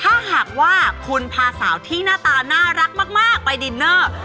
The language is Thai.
ถ้าหากว่าคุณพาสาวที่หน้าตาน่ารักมากไปดินเนอร์